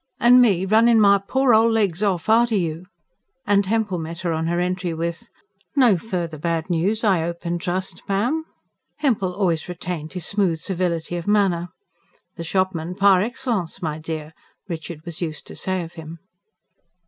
"An' me runnin' my pore ol' legs off arter you!" And Hempel met her on her entry with: "No further bad news, I 'ope and trust, ma'am?" Hempel always retained his smooth servility of manner. "The shopman PAR EXCELLENCE, my dear!" Richard was used to say of him.